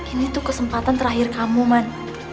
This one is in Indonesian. ini tuh kesempatan terakhir kamu man